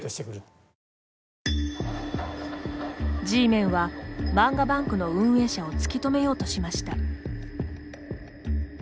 Ｇメンは、漫画ＢＡＮＫの運営者を突き止めようとしました。